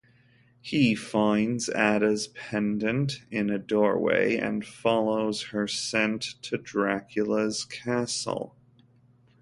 He finds Ada's pendant in a doorway and follows her scent to Dracula's castle.